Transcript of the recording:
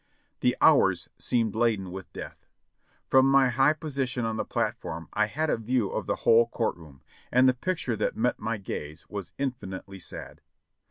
The hours seemed laden with death. From my high position on the platform I had a view of the whole court room, and the picture that met my gaze was infinitely sad.